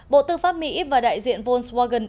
bộ tư pháp mỹ và đại diện volkswagen